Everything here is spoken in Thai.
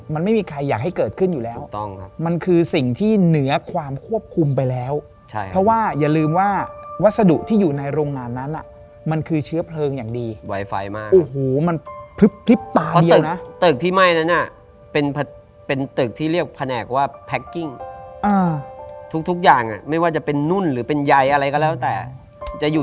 มันไม่มีใครอยากให้เกิดขึ้นอยู่แล้วถูกต้องครับมันคือสิ่งที่เหนือความควบคุมไปแล้วใช่ครับเพราะว่าอย่าลืมว่าวัสดุที่อยู่ในโรงงานนั้นน่ะมันคือเชื้อเพลิงอย่างดีไวไฟมากโอ้โหมันพึบพึบตาเดียวน่ะเพราะตึกตึกที่ไหม้นั้นน่ะเป็นเป็นตึกที่เรียกพนักว่าอ่าทุกทุกอย